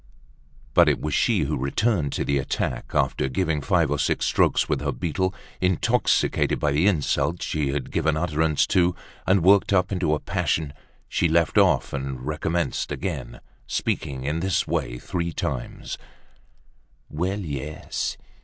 But it was she who returned to the attack, after giving five or six strokes with her beetle, intoxicated by the insults she had been giving utterance to, and worked up into a passion. She left off and recommenced again, speaking in this way three times: "Well, yes!